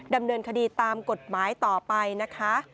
ดำเนินคดีตามกฎหมายต่อไปนะคะ